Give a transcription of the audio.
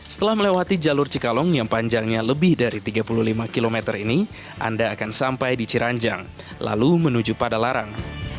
setelah melewati jalur cikalong yang panjangnya lebih dari tiga puluh lima km ini anda akan sampai di ciranjang lalu menuju pada larang